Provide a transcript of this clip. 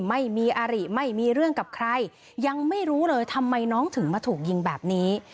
ไม่มีอาริไม่มีเรื่องกับใครยังไม่รู้เลยทำไมน้องถึงมาถูกยิงแบบนี้